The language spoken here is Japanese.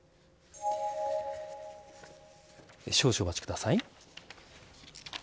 少々お待ちください。